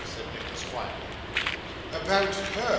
said Nicholas quietly. 'About HER!